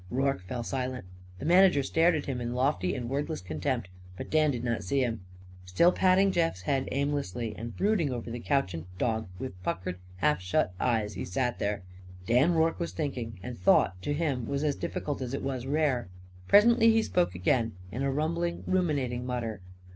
Rorke fell silent. The manager stared at him in lofty and wordless contempt, but Dan did not see him. Still patting Jeff's head aimlessly and brooding over the couchant dog with puckered half shut eyes, he sat there. Dan Rorke was thinking; and thought, to him, was as difficult as it was rare. Presently he spoke again in a rumbling, ruminating mutter.